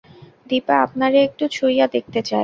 দিপা আপনারে একটু ছুঁইয়া দেখতে চায়।